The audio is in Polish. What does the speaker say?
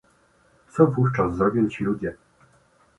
Co wówczas zrobią ci ludzie?